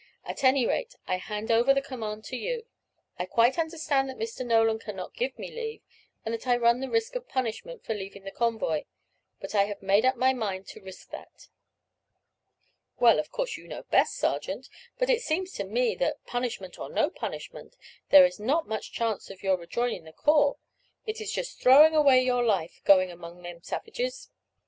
At any rate, I hand over the command to you. I quite understand that Mr. Nolan cannot give me leave, and that I run the risk of punishment for leaving the convoy; but I have made up my mind to risk that." "Well, of course you know best, sergeant; but it seems to me that, punishment or no punishment, there is not much chance of your rejoining the corps; it is just throwing away your life going among them savages."